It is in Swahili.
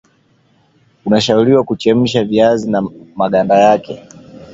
unashauriwa kuchemsha viazi na maganda yake